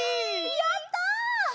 やった！